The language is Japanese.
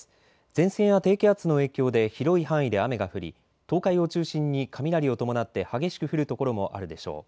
前線や低気圧の影響で広い範囲で雨が降り東海を中心に雷を伴って激しく降る所もあるでしょう。